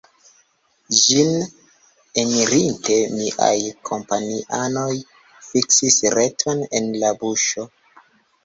Ĝin enirinte, miaj kompanianoj fiksis reton en la buŝo.